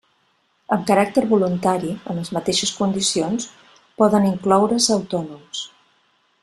Amb caràcter voluntari, en les mateixes condicions, poden incloure's autònoms.